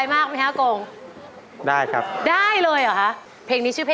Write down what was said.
ยังไม่ต้องวิเคราะห์หน้าน้อยน่าขอวิเคราะห์หน้าอากงก่อนนะครับ